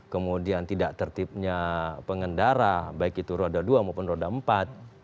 kemudian tidak tertipnya pengendara baik itu roda dua maupun roda empat